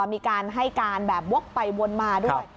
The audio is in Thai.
มีการให้การแบบวกไปวนมาด้วย